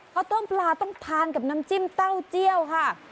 เพราะต้มปลาต้องทานกับน้ำจิ้มเต้าเจี้ยวค่ะ